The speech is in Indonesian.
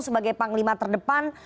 sebagai panglima terdepan